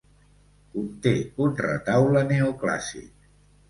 Conté un retaule neoclàssic.